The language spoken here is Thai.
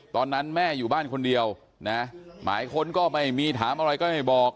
ตอนนั้นแม่อยู่บ้านคนเดียวนะหมายค้นก็ไม่มีถามอะไรก็ไม่บอก